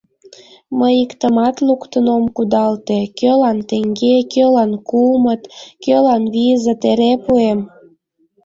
Мый иктымат луктын ом кудалте: кӧлан теҥге, кӧлан кумыт, кӧлан визыт — эре пуэм...